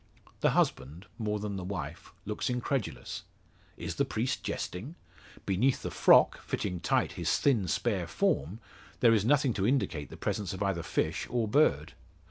The husband, more than the wife, looks incredulous. Is the priest jesting? Beneath the froc, fitting tight his thin spare form, there is nothing to indicate the presence of either fish or bird.